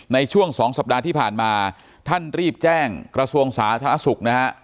ในช่วง๒สัปดาห์ที่ผ่านมาท่านรีบแจ้งกระทรวงสาธารณสุขนะฮะ